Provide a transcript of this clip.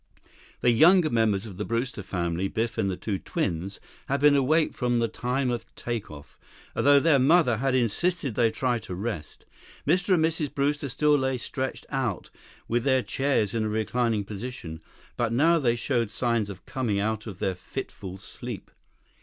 19 The younger members of the Brewster family, Biff and the twins, had been awake from the time of take off, although their mother had insisted they try to rest. Mr. and Mrs. Brewster still lay stretched out with their chairs in a reclining position, but now they showed signs of coming out of their fitful sleep.